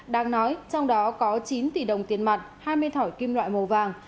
đang nói trong đó có chín tỷ đồng tiền mặt hai mươi thỏi kim loại màu vàng